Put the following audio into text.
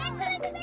ya serius betul